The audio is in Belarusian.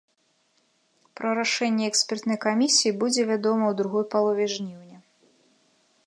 Пра рашэнне экспертнай камісіі будзе вядома ў другой палове жніўня.